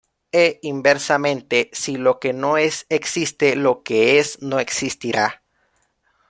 E inversamente, si lo que no es existe, lo que es no existirá.